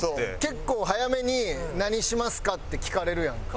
結構早めに「何しますか？」って聞かれるやんか。